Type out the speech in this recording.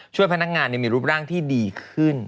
ช่วยพนักงานมีรูปร่างที่ดีขึ้น